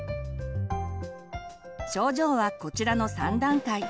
症状はこちらの３段階。